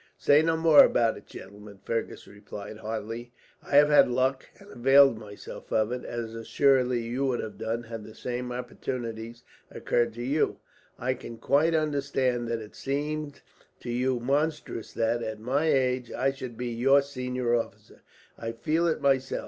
"Say no more about it, gentlemen," Fergus replied heartily. "I have had luck, and availed myself of it, as assuredly you would have done had the same opportunities occurred to you. I can quite understand that it seemed to you monstrous that, at my age, I should be your senior officer. I feel it myself.